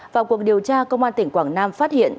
vào cuộc điều tra công an tỉnh quảng nam phát hiện